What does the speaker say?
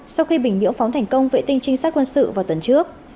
sau khi bình nhưỡng phóng thành công vệ tinh trinh sát quân sự vào tuần trước